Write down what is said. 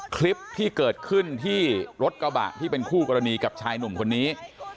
คลิปที่เกิดขึ้นที่รถกระบะที่เป็นคู่กรณีกับชายหนุ่มคนนี้